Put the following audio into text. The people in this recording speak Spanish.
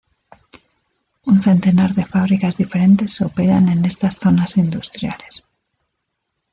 Un centenar de fábricas diferentes se operan en estas zonas industriales.